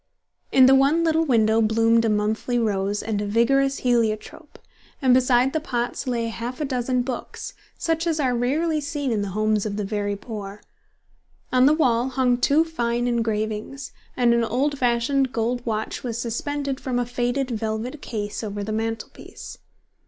In the one little window bloomed a monthly rose and a vigorous heliotrope, and beside the pots lay half a dozen books, such as are rarely seen in the homes of the very poor. On the wall hung two fine engravings, and an old fashioned gold watch was suspended from a faded velvet case over the mantel piece.